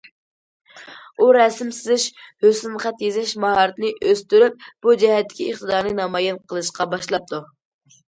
ئۇ رەسىم سىزىش، ھۆسنخەت يېزىش ماھارىتىنى ئۆستۈرۈپ، بۇ جەھەتتىكى ئىقتىدارىنى نامايان قىلىشقا باشلاپتۇ.